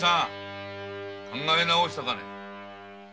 考え直したかね？